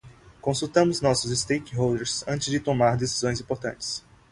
Consultamos nossos stakeholders antes de tomar decisões importantes.